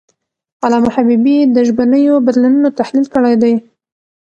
علامه حبیبي د ژبنیو بدلونونو تحلیل کړی دی.